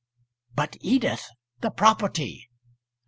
"But, Edith the property!"